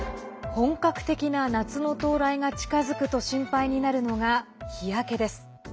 本格的な夏の到来が近づくと心配になるのが日焼けです。